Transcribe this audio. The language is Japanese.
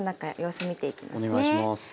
お願いします。